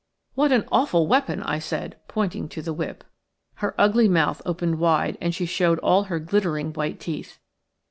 "What an awful weapon!" I said, pointing to the whip. Her ugly mouth opened wide and she showed all her glittering white teeth.